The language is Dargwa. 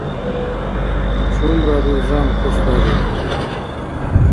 Чумра дурзам кусдариб